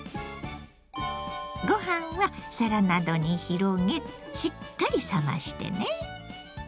ご飯は皿などに広げしっかり冷ましてね。